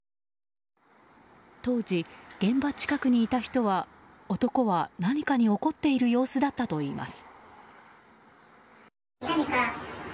当時、現場近くにいた人は男は何かに怒っている様子だったといいます。